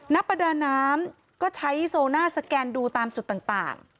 ประดาน้ำก็ใช้โซน่าสแกนดูตามจุดต่าง